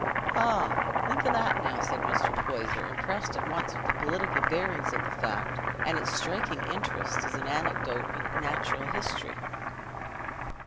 "Ah! Think o' that, now!" said Mr. Poyser, impressed at once with the political bearings of the fact and with its striking interest as an anecdote in natural history.